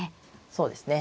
そうですね。